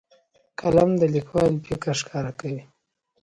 قلم د لیکوال فکر ښکاره کوي.